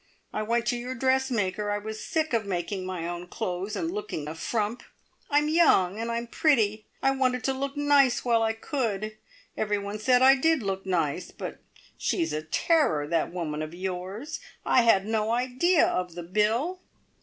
I went to your dressmaker. I was sick of making my own clothes, and looking a frump. I'm young, and I'm pretty, I wanted to look nice while I could. Every one said I did look nice; but she is a terror, that woman of yours! I had no idea of the bill!"